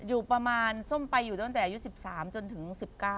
อยู่ประมาณส้มไปอยู่ตั้งแต่อายุ๑๓จนถึง๑๙